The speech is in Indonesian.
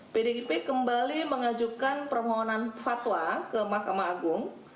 pdip kembali mengajukan permohonan fatwa ke mahkamah agung